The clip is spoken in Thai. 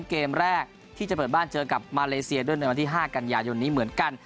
ขึ้นในวันที่๕กันยานยนนี้เหมือนกัน